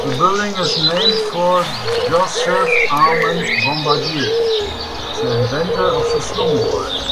The building is named for Joseph-Armand Bombardier, the inventor of the snowmobile.